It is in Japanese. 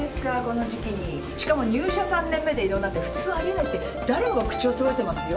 しかも入社３年目で異動なんて普通ありえないって誰もが口をそろえてますよ。